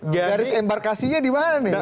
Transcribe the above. garis embarkasinya di mana nih